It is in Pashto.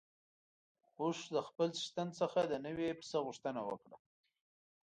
اوښ له خپل څښتن څخه د نوي پسه غوښتنه وکړه.